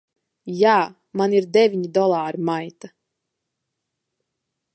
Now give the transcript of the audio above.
Jā. Man ir deviņi dolāri, maita!